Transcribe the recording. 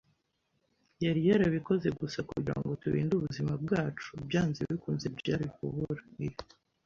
yari yarabikoze gusa kugirango turinde ubuzima bwacu, byanze bikunze byari kubura iyo